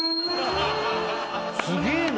すげえな。